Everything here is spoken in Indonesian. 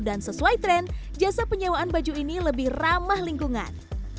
dan sesuai tren jasa penyewaan baju ini lebih ramah lingkungan